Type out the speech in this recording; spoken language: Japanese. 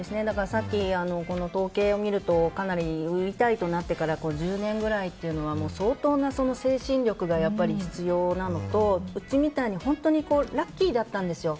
さっき、統計を見ると売りたいとなってから１０年ぐらいというのは相当な精神力が必要なのとうちみたいに本当にラッキーだったんですよ。